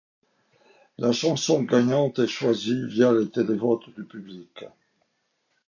La chanson gagnante est choisie via les télévotes du public.